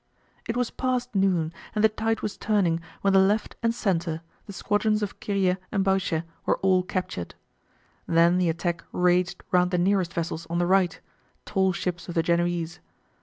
It was past noon, and the tide was turning when the left and centre, the squadrons of Kiriet and Bahuchet, were all captured. Then the attack raged round the nearest vessels on the right, tall ships of the Genoese.